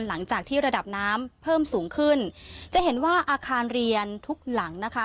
หลังจากที่ระดับน้ำเพิ่มสูงขึ้นจะเห็นว่าอาคารเรียนทุกหลังนะคะ